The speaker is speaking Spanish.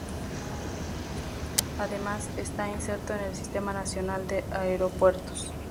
Además está inserto en el Sistema Nacional de Aeropuertos.